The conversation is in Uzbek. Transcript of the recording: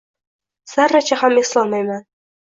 Zarracha ham eslolmayman.